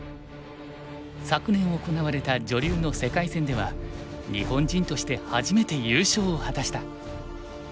昨年行われた女流の世界戦では日本人として初めて優勝を果たした。